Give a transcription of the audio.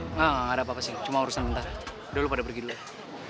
engga engga ada apa apa sih cuma urusan bentar udah lu pada pergi dulu ya